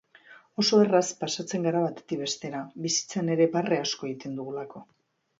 Oso erraz pasatzen gara batetik bestera, bizitzan ere barre asko egiten dugulako.